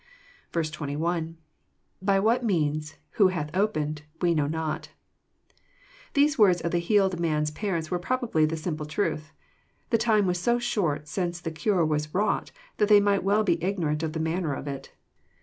21. — \^But by what means,., who hath opened„,we know not,"] These words of the healed man's parents were probably the simple truth. The time was so short since the cure was wrought, that they might well be ignorant of the manner of it.